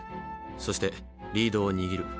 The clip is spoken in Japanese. そしてリードを握る。